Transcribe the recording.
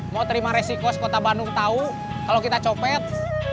mau terima resiko sekota bandung tau kalau kita copet